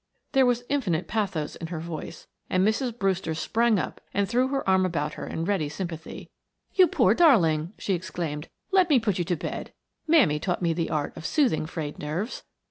There was infinite pathos in her voice and Mrs. Brewster sprang up and threw her arm about her in ready sympathy. "You poor darling!" she exclaimed. "Let me put you to bed; Mammy taught me the art of soothing frayed nerves.